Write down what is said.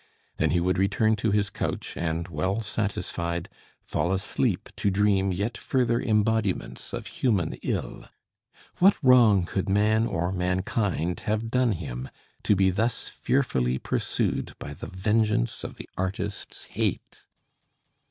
Then he would return to his couch, and, well satisfied, fall asleep to dream yet further embodiments of human ill. What wrong could man or mankind have done him, to be thus fearfully pursued by the vengeance of the artist's hate?